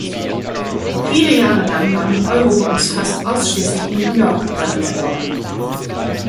Viele Jahre lang waren Eurobonds fast ausschließlich in New York gehandelt worden.